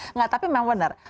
enggak tapi memang benar